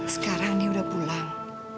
sekarang ini udah pulang